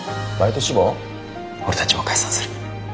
俺たちも解散する。